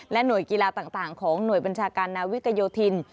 หน่วยกีฬาต่างของหน่วยบัญชาการนาวิกโยธิน